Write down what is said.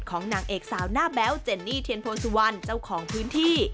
นางเอกสาวหน้าแบ๊วเจนนี่เทียนโพสุวรรณเจ้าของพื้นที่